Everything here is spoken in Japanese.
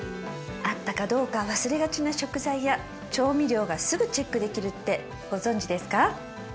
あったかどうか忘れがちな食材や調味料がすぐチェックできるってご存じですか？